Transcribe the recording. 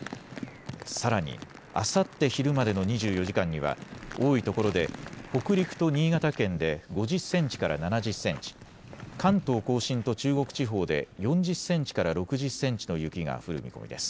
さらに、あさって昼までの２４時間には多いところで北陸と新潟県で５０センチから７０センチ、関東甲信と中国地方で４０センチから６０センチの雪が降る見込みです。